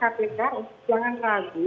tapi aku katakan jangan ragu